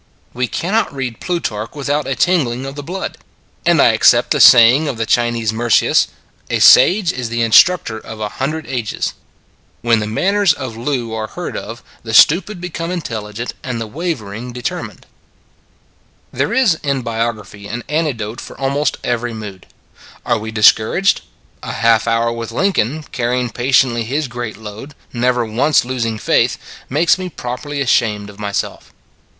We cannot read Plutarch with out a tingling of the blood ; and I accept the say ing of the Chinese Mercius : A sage is the in structor of a hundred ages. When the manners Put Great Men to Work 121 of Loo are heard of, the stupid become intelligent, and the wavering, determined. " There is in biography an antidote for almost every mood. Are we discouraged ? A half hour with Lincoln, carrying patiently his great load, never once losing faith, makes me properly ashamed of myself.